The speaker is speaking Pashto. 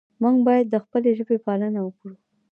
موږ باید د خپلې ژبې پالنه وکړو.